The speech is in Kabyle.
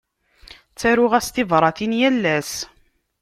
Ttaruɣ-as tibratin yal ass.